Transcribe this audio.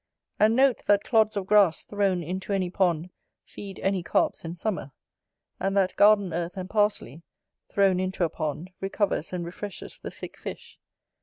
And note, that clods of grass thrown into any pond feed any Carps in summer; and that garden earth and parsley thrown into a pond recovers and refreshes the sick fish.